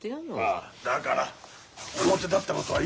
ああだから表立ったことは一切させない。